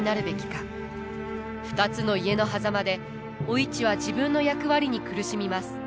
２つの家のはざまでお市は自分の役割に苦しみます。